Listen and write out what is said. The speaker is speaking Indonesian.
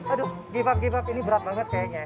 aduh give up give up ini berat banget kayaknya